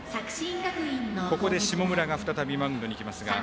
ここで下村が再びマウンドに行きます。